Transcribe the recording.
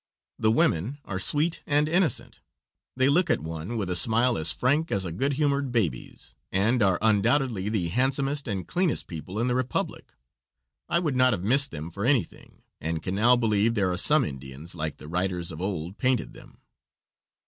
The women are sweet and innocent. They look at one with a smile as frank as a good humored baby's, and are undoubtedly the handsomest and cleanest people in the Republic. I would not have missed them for anything, and can now believe there are some Indians like the writers of old painted them.